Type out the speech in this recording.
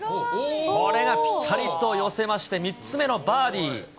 これがぴたりと寄せまして、３つ目のバーディー。